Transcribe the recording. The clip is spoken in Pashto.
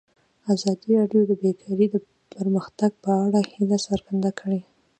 ازادي راډیو د بیکاري د پرمختګ په اړه هیله څرګنده کړې.